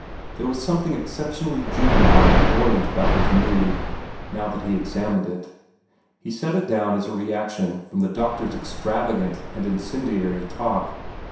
There was something exceptionally juvenile and buoyant about his mood, now that he examined it. He set it down as a reaction from that doctor's extravagant and incendiary talk.